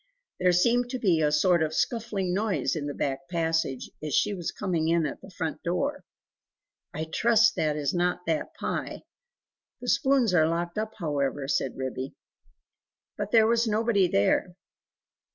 There seemed to be a sort of scuffling noise in the back passage, as she was coming in at the front door. "I trust that is not that Pie: the spoons are locked up, however," said Ribby. But there was nobody there.